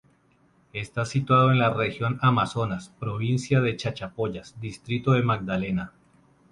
Está situado en la Región Amazonas, provincia de Chachapoyas, distrito de Magdalena.